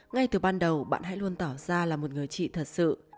ngay từ ban đầu bạn hãy luôn tỏ ra là một người chị thật sự